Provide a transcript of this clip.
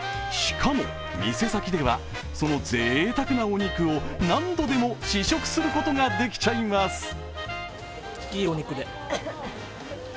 しかも、店先ではそのぜいたくなお肉を何度でも試食することができちゃいます。